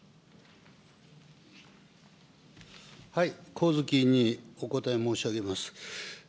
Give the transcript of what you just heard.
上月委員にお答え申し上げます。